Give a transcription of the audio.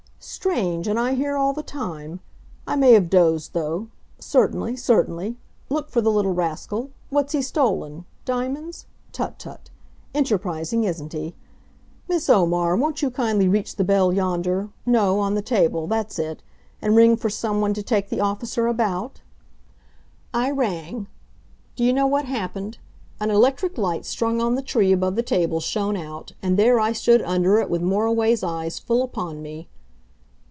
"Strange, and I here all the time! I may have dozed of, though. Certainly certainly. Look for the little rascal. What's he stolen? Diamonds! Tut! tut! Enterprising, isn't he? ... Miss Omar, won't you kindly reach the bell yonder no, on the table; that's it and ring for some one to take the officer about?" I rang. Do you know what happened? An electric light strung on the tree above the table shone out, and there I stood under it with Moriway's eyes full upon me.